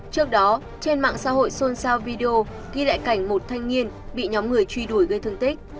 trước đó trên mạng xã hội xôn xao video ghi lại cảnh một thanh niên bị nhóm người truy đuổi gây thương tích